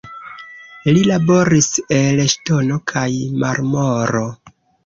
Li laboris el ŝtono kaj marmoro.